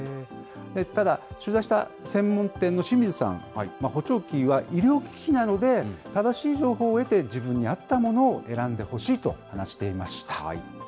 ただ、取材した専門店の清水さん、補聴器は医療機器なので、正しい情報を得て、自分に合ったものを選んでほしいと話していました。